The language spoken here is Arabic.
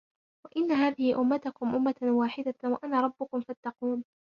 وَإِنَّ هَذِهِ أُمَّتُكُمْ أُمَّةً وَاحِدَةً وَأَنَا رَبُّكُمْ فَاتَّقُونِ